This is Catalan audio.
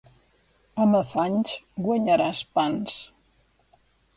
Amb afanys guanyaràs pans.